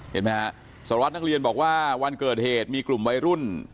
เห็นไหมฮะสารวัตรนักเรียนบอกว่าวันเกิดเหตุมีกลุ่มวัยรุ่น